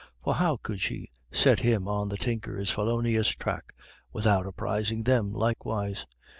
For how could she set him on the Tinker's felonious track without apprising them likewise?